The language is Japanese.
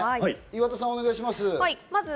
岩田さん、お願いします。